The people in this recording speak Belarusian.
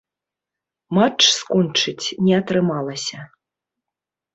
Матч скончыць не атрымалася.